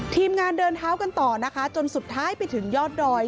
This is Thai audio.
ทีมงานเดินเท้ากันต่อนะคะจนสุดท้ายไปถึงยอดดอย